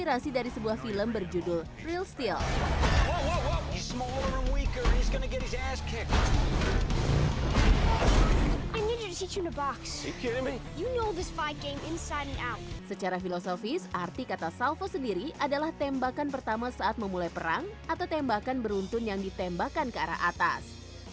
arti kata salvo sendiri adalah tembakan pertama saat memulai perang atau tembakan beruntun yang ditembakan ke arah atas